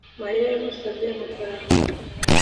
Mariya yamusabye amafaranga